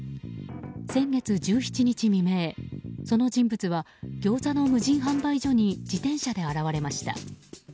先月１７日未明、その人物はギョーザの無人販売所に自転車で現れました。